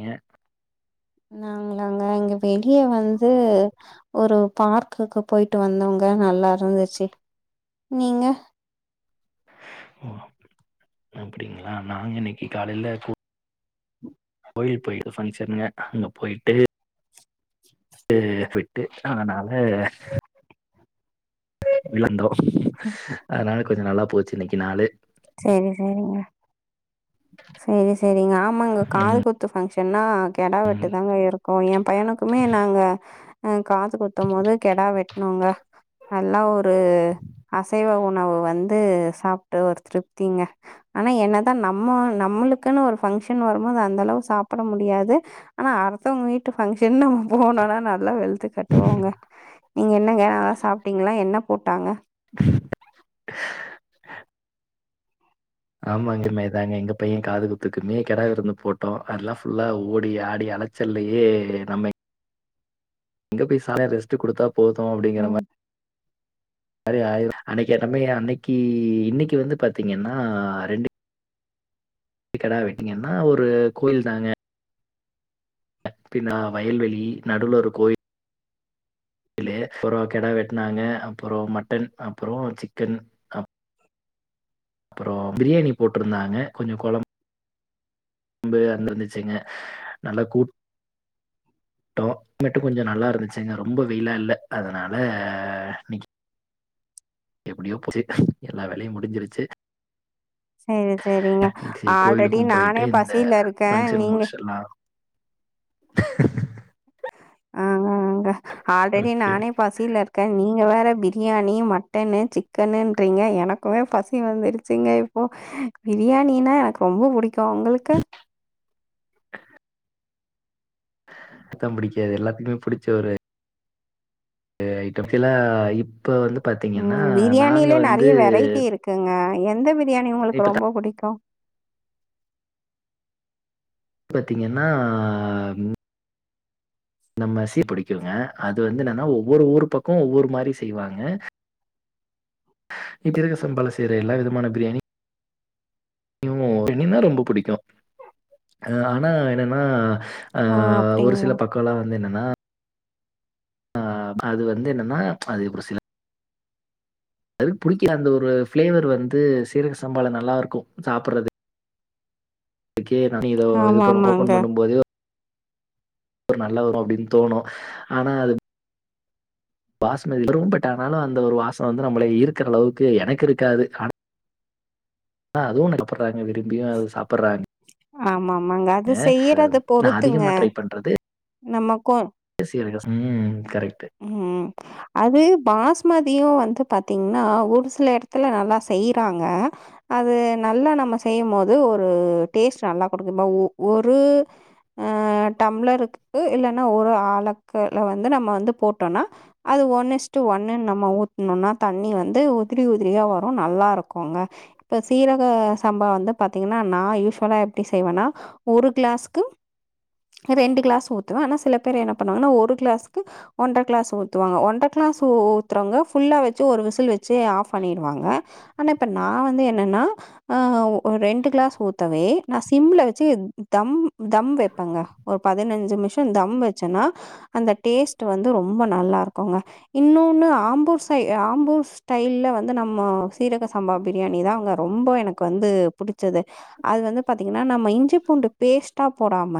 ஏ நாங்களாங்க எங்க வெளிய வந்து ஒரு பார்க்குக்கு போயிட்டு வந்தோங்க நல்லா இருந்துச்சு நீங்க ஓ அப்படிங்களா நாங்க இன்னைக்கு காலையில ஃபு கோயில் போய்ட்டு ஃபங்சன்ங்க அங்க போய்ட்டு ட்டு போய்ட்டு அதனால வந்தோ அதனால கொஞ்சம் நல்லா போச்சு இன்னைக்கு நாலு செரி செரிங்க செரி செரிங்க ஆமாங்க காது குத்து ஃபங்க்ஷன் ன்னா கெடா வெட்டு தாங்க இருக்கோம் என் பையனுக்குமே நாங்க உம் காது குத்த போது கெடா வெட்டனோங்க நல்லா ஒரு அசைவ உணவு வந்து சாப்பிட்டு ஒரு திருப்திங்க ஆனா என்ன தான் நம்ம நம்மளுக்கு ஒரு ஃபங்ஷன் வரும்போது அந்த அளவு சாப்பிட முடியாது ஆனா அடுத்தவங்க வீட்டு பங்க்ஷன்னா போனோனா நல்லா வேழுத்து கட்டுவாங்க நீங்க என்னக நல்லா சாப்பிட்டீங்களா என்ன போட்டாங்க [inaudible] ஆமா [unintelligible] தாங்க எங்க பையன் காதுகுத்துக்குமே கிடா இருந்து போட்டோம் அதெல்லாம் ஃபுல்லா ஓடி ஆடி அலைச்சல்லயே நம்ம எங்க போய் சாய ரெஸ்ட் கொடுத்தா போதும் அப்படிங்கிற ம். மாதிரி அன்னைக்கு என்மே அன்னைக்கு இன்னைக்கு வந்து பாத்தீங்கன்னா ரெண்டு [inaudible] கெடா வெட்டீங்கன்னா ஒரு கோயில் தாங்க பின்னா வயல்வெளி நடுல கோயில் அப்புறம் கெட வெட்டனாங்க அப்புறம் மட்டன் அப்புறம் சிக்கன் அப் அப்புறம் பிரியாணி போட்டிருந்தாங்க கொஞ்சம் குழம்பு [inaudible] ழம்பு அந்த இருந்துச்சுங்க நல்லா கூ கூடோம் கிளைமேட்டும் கொஞ்சம் நல்லா இருந்துச்சுங்க ரொம்ப வெயிலா இல்ல அதனால இன்னைக்கு எப்டியோ போச்சி எல்லா வேலையும் முடிஞ்சிருச்சு சரி சரிங்க இன்னைக்கு சரி ஆல்ரெடி கோயிலுக்கும் போயிட்டு நானே இந்த பசில இருக்கேன் ஃபங்ஷன் நீங்க முடிச்சிடலாம். [inaudible] ஆங்க ஆங்க ஆல்ரெடி ஓகே. நானே பசியில இருக்கேன் நீ நீங்க வேற பிரியாணி மட்டன்னு சிக்கன்னன்றீங்க எனக்குமே பசி வந்துருச்சுங்க இப்போ பிரியாணினா எனக்கு ரொம்ப பிடிக்கும் உங்களுக்கு ஆ அதான் பிடிக்காது எல்லாத்துக்குமே புடிச்ச ஒரு [unintelligible] பத்திலா உம் பிரியாணியிலயே நிறைய வெரைட்டி இருக்குங்க எந்த வி பிரியாணி உங்களுக்கு இப்ப ரொம்ப பிடிக்கும் இ பாத்தீங்கன்னா நம்ம சீ பிடிக்குங்க அது வந்து என்னன்னா ஒவ்வொரு ஊர் பக்கம் ஒவ்வொரு மாதிரி செய்வாங்க த்திருக சம்பாலை செய்யற எல்லா விதமான பிரியாணி இன தா ரொம்ப பிடிக்கும் ஆனா என்னன்னா ஓ! அஹ் ஒரு சில அப்டிங்களா? பக்கம் எல்லாம் வந்து என்னன்னா ஆஹ அது வந்து என்னன்னா அது ஒரு சில அதுக்கு பிடிக்க அந்த ஒரு பஃளேவர் வந்து சீரக சம்பாளை நல்லா இருக்கும் சாப்பிடுறது இது நா [unintelligible] பண்ண ஆமாமாங்க. ஓபன் பண்ணும் போது ஒரு நல்ல வரும் அப்படின்னு தோணும் ஆனா அது [unintelligible] பட்ஆனாலும் அந்த ஒரு வாசம் வந்து நம்மள இருக்கிற அளவுக்கு எனக்கு இருக்காது ஆனா ஆன அதுவும் சாப்புடுறாங்க விரும்பியும் அது சாப்பிடுறாங்க ஆமாம் ஆமாங்க அது செய்யறது நான் பொறுத்துங்க நம்மக்கோ பேசி [unintelligible] இருக்க உம் உம் அது பாஸ்மதியும் வந்து [unintelligible] பாத்திங்கன ஒரு சில இடத்துல நல்லறாங்க அது நல்லா செய்யும்போது ஒரு டேஸ்டு நல்லாகொடுகும் ஒரு டம்ளருக்கு இல்ல ஒரு ஆலக்கு வந்து நம்ம வந் போட்டோனா அது ஒன்னுஸ்ட்டு ஒண்ணு நம்ம ஊத்தனும்னா தண்ணி வந்து உதிரி உதிரியா வரு நல்லா இருக்குங்க இப்ப சீரக சம்பா வந்து பாத்தீங்கன்னா நான் யூஸ்வலா எப்டி செய்வேன்னா ஒரு கிளாஸ்கு ரெண்டு கிளாஸ் ஊத்துவேன் ஆனா சில பேர் என்ன பண்ணுவாங்கன்னா ஒரு கிளாஸ்கு ஒன்றட கிளாஸ் ஊற்றுவாங்க ஒன்றரை கிளாஸ் ஊற்றுறவங்க ஃபுல்லாக வச்சு ஒரு விசில் வச்சு ஆஃப் பண்ணிடுவாங்க ஆனால் இப்போ நான் வந்து என்னென்னா ஒரு ரெண்டு கிளாஸ் ஊற்றவே நான் சிம்ல வச்சு தம் தம் வைப்பேங்க ஒரு பதினஞ்சு நிமிஷம் தம் வச்சேன்னா அந்த டேஸ்ட் வந்து ரொம்ப நல்லா இருக்கங்க இன்னொன்னு ஆம்பூர் ஸட் ஆம்பூர் ஸ்டைல் வந்து நம்ம [unintelligible] சீரக சாம்பா பிரியாணி தான் அங்க ரொம்ப எனக்கு வந்து புடிச்சது அது வந்து பா்த்தீங்கன்னா நம்ம இஞ்சி பூண்டு பேஸ்ட்டா போடாம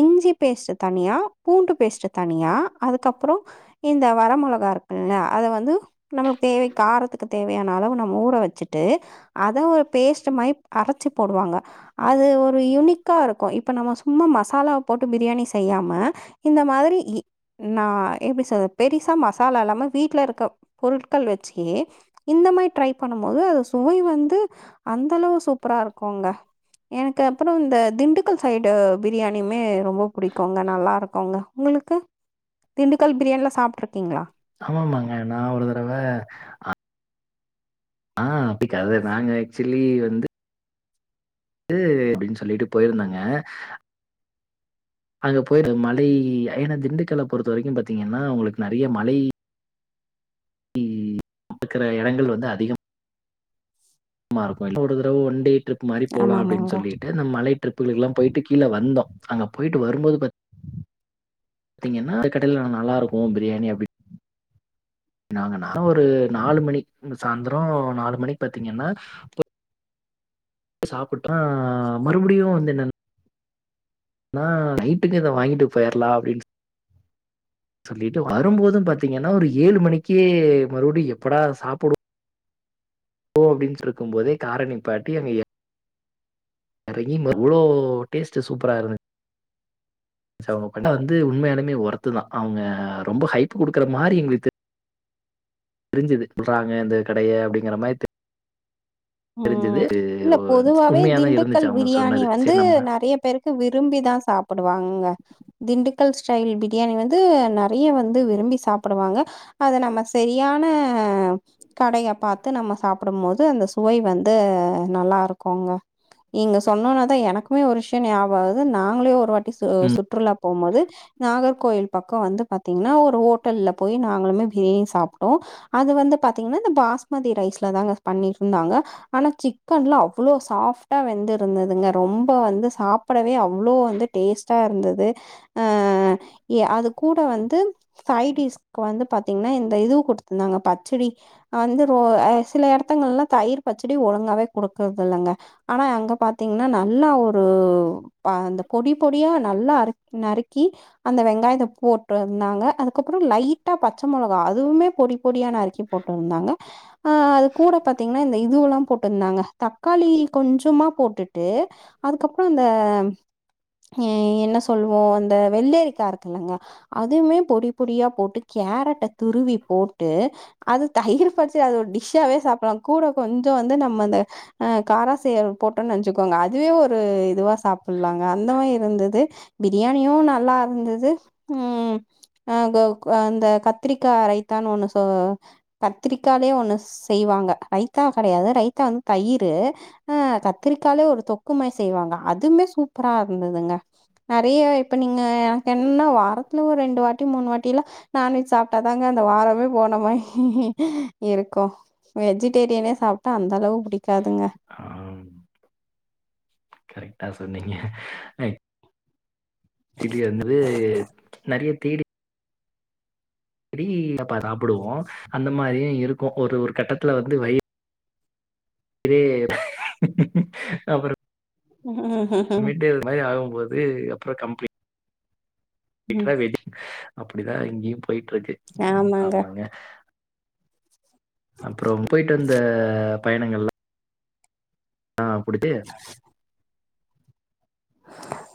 இஞ்சி பேஸ்ட் தனியா பூண்டு பேஸ்ட்ட் தனியா அதுக்கப்புறம் இந்த வர மிளகா இருக்குல்ல அதை வந்து நம்மளுக்கு தேவை காரத்துக்கு தேவையான அளவு நம்ம ஊற வச்சுட்டு அதை ஒரு பேஸ்ட் மாதிரி அரைச்சு போடுவாங்க அது ஒரு யுனிக்கா இருக்கும் இப்ப நம்ம சும்மா மசாலாவை போட்டு பிரியாணி செய்யாம இந்த மாதிரி நான் எப்படி சொல்ற பெருசா மசாலா இல்லாம வீட்டுல இருக்க பொருட்கள் வச்சுே இந்த மாதிரி ட்ரை பண்ணும் போது சுவை வந்து அந்தளவு சூப்பராக இருக்கங்க எனக்கு அப்புறம் இந்த திண்டுக்கல் சைடு பிரியாணியுமே ரொம்ப பிடிக்குங்க நல்லா இருக்கங்க உங்களுக்கு திண்டுக்கல் பிரியாணிலாம் சாப்பிடட்டுரு ஆமாமாங்க நான் ஒரு தடவை ஆங் அப்படிக்கது நாங்க ச்சில்லி வந்து து அப்படின்னு சொல்லிட்டு போயிருந்தாங்க அங்க போயிரு மலை ஏன்னா திண்டுக்கலை பொறுத்த வரைக்கும் பாத்தீங்கன்னா அவங்களுக்கு நிறைய மலை நக்கிற இடங்கள் வந்து அதிகம் மார [unintelligible] ஒன் டே ட்ரிப் மாறி போலா அப்டின்னு ஆமாமாங்க. சொல்லிட்டு நம் மலை ட்ரிப்புகளுக்குலா போயிட்டு கீழ வந்தோ அங்க போயிட்டு வரும்போது பத்தீங்கன்னா அது கடைல நல்லா இருக்கு பிரியாணி அப்டி நாங்கனா ஒரு நாலு மணி சாந்தரோ நாலு மணிக்கு பாத்தீங்கன்னா சாப்புட்டா மறுபடியு வந்து என்னன் அனா நைட்டுக்கு இத வாங்கிட்டு போயிறலா அப்டின்னு சொல்லிட்டு வரும்போது பாத்தீங்கன்னா ஒரு ஏழு மணிக்கே மறுபுடியு எப்படா சாப்புடுவோ அப்டின்ஸ்ட்டு இருக்கும் போதே கார நிப்பாட்டி அங்க எ எறங்கி ம இவ்ளோ டேஸ்ட் சூப்பரா இருந் சு அவங்க பண்ண வந்து உண்மயாலுமே ஒர்த்துதா அவங்க ரொம்ப ஹைப் குடுக்குற மாறி எங்களுக்கு தெரிஞ்சுது சொல்றாங்க இந்த கடைய அப்டிங்குற மாரி தெரி ம் இல்ல பொதுவாவே உண்மையா தான் திண்டுக்கல் இருந்துச்சு அவங்க பிரியாணி சொன்னது. வந்து சரி நம்ம நெறய பேருக்கு விரும்பி தா சாப்புடுவாங்க திண்டுக் கல் ஸ்டைல் பிரியாணி வந்து நெறய வந்து விரும்பி சாப்பிடுவாங்க அத நம்ம சரியான கடைய பாத்து நம்ம சாப்படும்போது அந்த சுவை வந்து நல்லா இருக்குங்க நீங்க சொன்னவொனே தா எனக்குமே ஒரு விஷ்யோ ஞாபக வருது நாங்களே ஒரு வாட் சு சுற்றுலா போம்போது நாகர் கோயில் பக்கோ வந்து பாத்தீங்னா ஒரு ஹோட்டல்ல போய் நாங்களுமே பிரியாணி சாப்டோ அது வந்து பாத்தீங்னா இந்த பாஸ்மதி ரைஸ்லதாங்க பண்ணி இருந்தாங்க ஆனா சிக்கன்லா அவ்ளோ சாஃப்ட்டா வெந்து இருந்துதுங்க ரொம்ப வந்து சாப்பிடவே அவ்ளோ வந்து டேஸ்ட்டா இருந்தது அ யா அது கூட வந்து சைடிஸ்க்கு வந்து பத் திங்ன்னா இந்த இதுவு கொடுத்திருந்தாங்க பச்சடி வந்து ஒ அ சில எடத்துங்கள்ளாம் தயிர் பச்சடி ஒழுங்காவே குடுக்கறது இல்லங்க ஆனா அங்க பாத்தீங்னா நல்லா ஒரு அந்த பொடி பொடியா நல்லா நறுக்கி அந்த வெங்காயத்த போட்ருந்தாங்க அதுகப்றோ லைட்டா பச்ச மொளகா அதுவுமே பொடி பொடியா நறுக்கி போட்ருந்தாங்க அஹ் அது கூட பத் தீங்னா இந்த இதுவெல்லா போட்ருந்தாங்க தக்காளி கொஞ்சமா போட்டுட்டு அதுக்கப்றோ இந்த எ என்ன சொல்லுவோ இந்த வெள்ளெரிக்கா இருக்குலங்க அதுவுமே பொடி பொடியா போட்டு கேரட்ட துருவி போட்டு அது தயிர் பச்சடி அத ஒரு டிஷ்ஷாவே சாப்புலா கூட கொஞ்சோ வந்து நம்ம இந்த காராசேவ் போட்டோன்னு வச்சுக்கோங்க அதுவே ஒரு இதுவா சாப்புலாங்க அந்த மாறி இருந்தது பிரியாணியு நல்லாருந்தது உம் அஹ அந்த கத்திரிக்கா ரைத்தானு ஒன்னு கத்திரிக்காலயே ஒன்னு செய்வாங்க ரைத்தா கெடயாது ரைத்தா வந்து தயிர் அஹ் கத்திரிக்காலே ஒரு தொக்குமாறி செய்வாங்க அதுமே சூப்பரா இருந்துதுங்க நெறய இப்ப நீங்க எனக்கு என்னனா வாரத்துல ஒரு ரெண்டு வாட்டி மூணு வாட் டிலா நான்வெஜ் சாப்டாதாங்க அந்த வாரமே போன மாறி இருக்கு வெஜ் டேரியனே சாப்பிட்டா அந்தளவு ஆம் கரெக்டா சொ சொன்னீங்க என்னது நெறய தேடி அப்டி தாப்பா சாப்புடுவோ அந்த மாறியு இருக்கூ ஒரு ஒரு கட்டத்துல வந்து வய் அப்டியே அப்றோ உஹ் அது அப்றோ கம்ப்ளி ம் ட்ரா வெஜ் அப்டிதா இங்யு போயிட்ருக்கு ஆமாங்க அப்றோம் போயிட்டு அந்த பயணங்கள்ள ஆ அப்புடிதே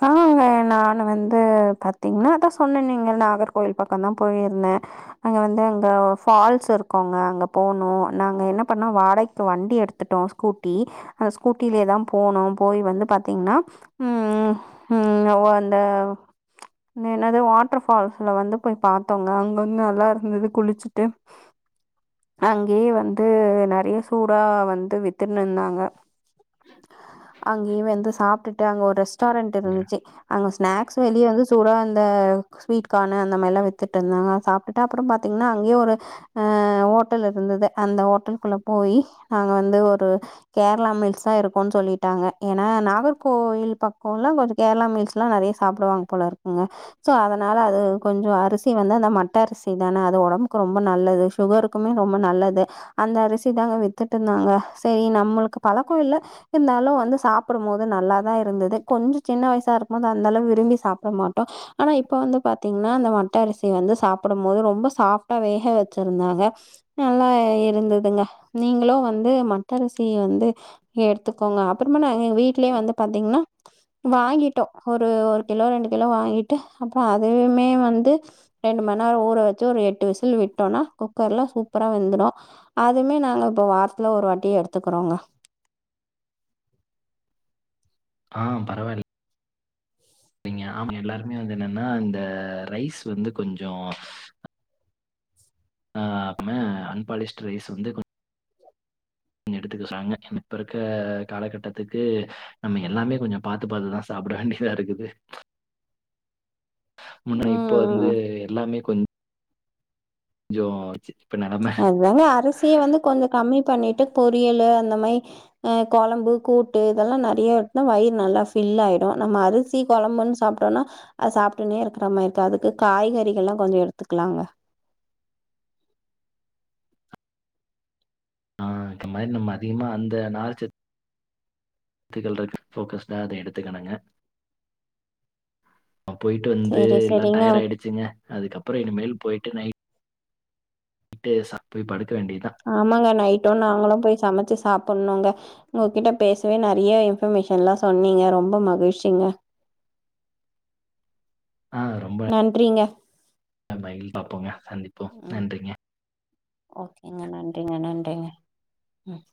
அஹ்ங்க நானு வந்து பாத்தீங்கனா அதா சொன்னனேங்க நாகர்கோயில் பக்கோ தா போயிருந்தே அங்க வந்து அங்க ஃபால்ஸ் இருக்குங்க அங்க போனோ நாங்க என்ன பண்ணோ வாடகைக்கு வண்டி எடுத்துட்டோ ஸ்கூட்டி அந்த ஸ்கூட்டிலியே தா போனோ போய் வந்து பாத்தீங்கனா உம் உம் ஓ அந்த என்ன என்னது வாட்டர் ஃபால்ஸ்ல வந்து போய் பாத்தோங்க அங்க வந்து நல்லா இருந்திது குளிச்சிட்டு அங்கே வந்து நெறைய சூடா வந்து வித்துன்னிந்தாங்க அங்கே வந்து சாப்டிட் டு அங்க ஒரு ரெஸ்டாரண்ட் இருந்துச்சு அங்க ஸ்நாக்ஸ் வெளியே வந்து சூடா அந்த ஸ்வீட் கான் அந்த மாரிலா வித்துட்டு இருந்தாங்க சாப்ட்டுட்டு அப்புற பாத்தீங்கன்னா அங்கேயே ஒரு ஆ ஹோட்டல் இருந்தது அந்த ஹோட்டல்க்குள்ள போய் அங்க வந்து ஒரு கேரளா மீல்ஸ் தா இருக்குனு சொல்லிட்டாங்க ஏன்னா நாகர் கோயில் பக்கோல்லா கொஞ்சோ கேரளா மீல்ஸ்ல்லா‌ நெறைய சாப்டுவாங்க போல இருக்குங்க சோ அதனால அது கொஞ்சோ அரிசி வந்து அந்த மட்ட அரிசி தான அது ஒடம்புக்கு ரொம்ப நல்லது சுகருக்குமே ரொம்ப நல்லது அந்த அரிசி தாங்க வித்திட்டு இருந்தாங்க செரி நம்ளுக்கு பழக்கோ இல்ல இருந்தாலூ வந்து சாப்டும் போத் நல்லா தா இருந்தது கொஞ்சொ சின்ன வயசா இருக்கும்போது அந்த அளவு விரும்பி சாப்ட மாட்டோ ஆனா இப்ப வந்து பாத்தீங்கன்னா அந்த மட்ட அரிசி வந்து சாப்பிட போது ரொம்ப சாஃப்டா வேக வச்சிருந்தாங்க நல்லா இருந்ததுங்க நீங்களு வந்து மட்ட அரிசி வந்து எடுத்துக்கோங்க அப்புறமா நாங்க எங்க வீட் வீட்லே வந்து பாத்தீங்ன்னா வாங்கிட்டோ ஒரு ஒரு கிலோ ரெண்டு கிலோ வாங்கிட்டு அப்றோ அதுவுமே வந்து ரெண்டு மண்நேர ஊற வ [unintelligible] டு விசில் விட்டோனா குக்கர்ல சூப் அப்றோ வெந்துடூ அதுமே நாங்க இப்ப வார்த்தில ஒரு வாட்டி எடுத்திக்றோங்க ஆஹ் பரவாயில் ரிங்க ஆமா எல்லாருமே வந்து என்னன்னா இந்த ரைஸ் வந்து கொஞ்சோ ஆ அப்பனா அன்பாலிஷ்ட் ரைஸ் வந்து கொ எடுத்துக்க சாங்க இப்ப இருக்க காலகட்டத்திக்கு நம்ம எல்லாமே கொஞ்சோ பாத்து பாத்துதா சாப்பட வேண்டியதா இருக்குது முன்ன இப்போ வந்து ம். எல்லாமே கொ [unintelligible] அதுதாங்க அரிசிய வந்து கொஞ்சொ கம்மி பண்ணிட்டு பொரியலு அந்த மாய் அஹ் கொழம்பு கூட்டு இதெல்லா நெறைய எடுத்தா வயிறு நல்லா ஃபில் ஆயிடூ நம்ம அரிசி கொழம்புன் சாப்டோனா அத சாப்ட்டுனே இருக்ற மேரி பாதுக்கு காய்கறிகள்ல்லா கொஞ்சோ எடுத்திக்கலாங்க ஆஹ் அக்கு மாரி நம்ம அதிகமா அந்த நார்ச சத்துகள் இருக்க ஃபோக்கஸ்டா அத எடுத்துக்கணுங்க நா போயிட்டு வந்து செரி எல்லா செரிங்க டயர்ட் ஆயிடுச்சுங்க ஹ அதுக்கப்புற இனிமேல் போயிட்டு நைட் கிட்டு [unintelligible] போய் படுத் ஆமாங்க நைட்டூ நாங்குளும் போய் சமைச்சு சாப்பட்ணூங்க உங்ககிட்ட பேசவே நெறைய இன்ஃபர்மேஷன்ல்லா சொன்னீங்க ரொம்ப மகிழ்ச்சிங்க நன்றிங்க மைல்ட் அப்போங்க சந்திப்போ ம் நன்றிங்க ஓகேங்க நன்றிங்க நன்றிங்க ம்